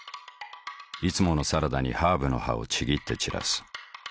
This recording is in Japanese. いつものサラダにハーブの葉をちぎって散らす。